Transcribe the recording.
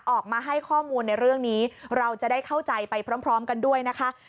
ออกมาให้ข้อมูลในเรื่องนี้เราจะได้เข้าใจไปพร้อมกันด้วยนะคะ